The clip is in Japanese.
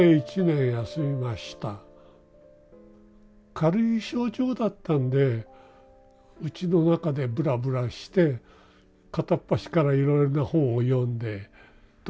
軽い症状だったんでうちの中でブラブラして片っ端からいろいろな本を読んでという。